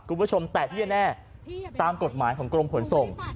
คุณผู้ชมแต่ที่แน่ตามกฎหมายของกรมขนส่ง